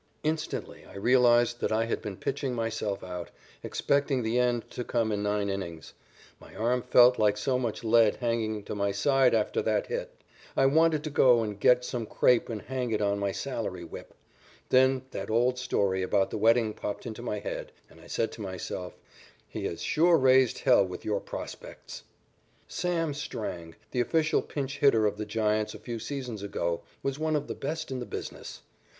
Instantly, I realized that I had been pitching myself out, expecting the end to come in nine innings. My arm felt like so much lead hanging to my side after that hit. I wanted to go and get some crape and hang it on my salary whip. Then that old story about the wedding popped into my head, and I said to myself: "He has sure raised hell with your prospects." "Sam" Strang, the official pinch hitter of the Giants a few seasons ago, was one of the best in the business.